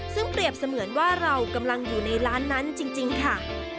ซึ่งเปรียบเสมือนว่าเรากำลังอยู่ในร้านนั้นจริงค่ะ